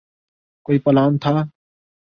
کوئی پلان تھا۔